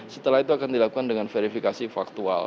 setelah itu akan dilakukan dengan verifikasi faktual